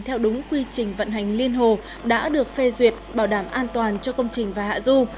theo đúng quy trình vận hành liên hồ đã được phê duyệt bảo đảm an toàn cho công trình và hạ du